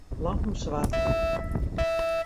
Lampen swart.